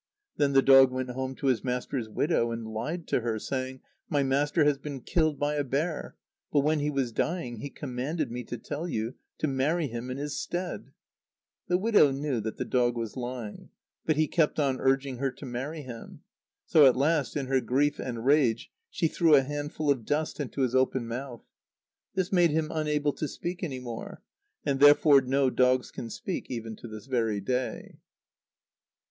Then the dog went home to his master's widow, and lied to her, saying: "My master has been killed by a bear. But when he was dying he commanded me to tell you to marry me in his stead." The widow knew that the dog was lying. But he kept on urging her to marry him. So at last, in her grief and rage, she threw a handful of dust into his open mouth. This made him unable to speak any more, and therefore no dogs can speak even to this very day.